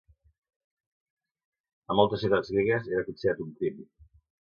En moltes ciutats gregues era considerat un crim.